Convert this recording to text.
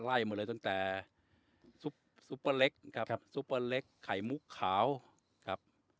ไล่หมดเลยตั้งแต่ซุปเปอร์เล็กครับซุปเปอร์เล็กไข่มุกขาวครับ